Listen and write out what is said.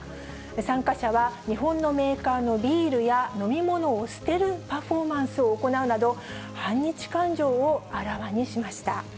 参加者は日本のメーカーのビールや飲み物を捨てるパフォーマンスを行うなど、反日感情をあらわにしました。